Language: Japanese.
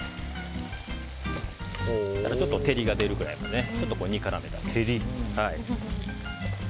ちょっと照りが出るくらいまで煮絡めてあげます。